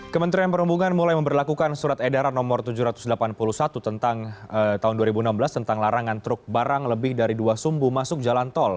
kementerian perhubungan mulai memperlakukan surat edaran nomor tujuh ratus delapan puluh satu tentang tahun dua ribu enam belas tentang larangan truk barang lebih dari dua sumbu masuk jalan tol